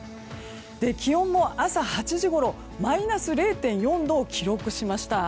気温も朝８時ごろマイナス０．４度を記録しました。